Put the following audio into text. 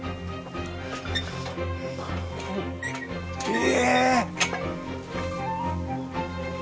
え！